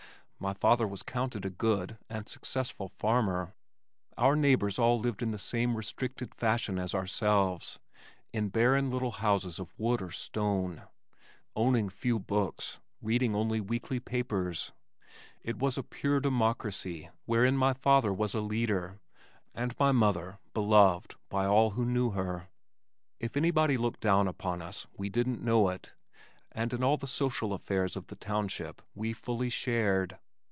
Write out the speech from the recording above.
My father was counted a good and successful farmer. Our neighbors all lived in the same restricted fashion as ourselves, in barren little houses of wood or stone, owning few books, reading only weekly papers. It was a pure democracy wherein my father was a leader and my mother beloved by all who knew her. If anybody looked down upon us we didn't know it, and in all the social affairs of the township we fully shared.